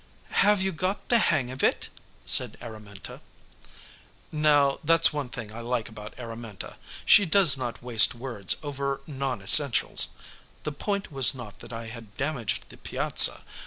"Have you got the hang of it?" said Araminta. Now that's one thing I like about Araminta. She does not waste words over non essentials. The point was not that I had damaged the piazza.